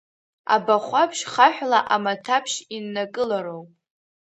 Абахәаԥшь, хаҳәла амаҭаԥшь иннакылароуп…